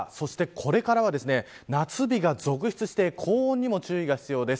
そして、これからは夏日が続出して高温にも注意が必要です。